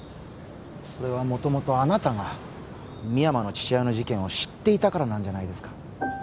それは元々あなたが深山の父親の事件を知っていたからなんじゃないですか？